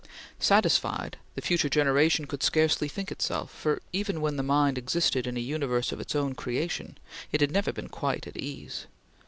Satisfied, the future generation could scarcely think itself, for even when the mind existed in a universe of its own creation, it had never been quite at ease.